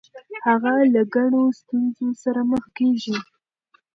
هغه له ګڼو ستونزو سره مخ کیږي.